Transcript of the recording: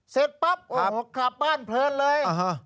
เสร็จปั๊บขาบบ้านเพิญเลยครับ